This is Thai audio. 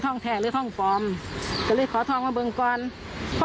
ท่องแทงหรือท่องฟอร์มก็เลยขอท่องมาเบิ่งก่อนพ่อ